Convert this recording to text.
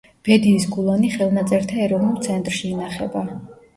ბედიის გულანი ხელნაწერთა ეროვნულ ცენტრში ინახება.